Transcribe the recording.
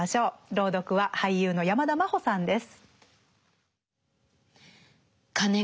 朗読は俳優の山田真歩さんです。